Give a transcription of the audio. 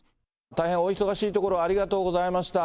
大変お忙しいところ、ありがとうございました。